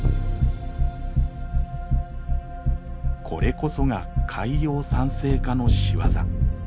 これこそが海洋酸性化の仕業。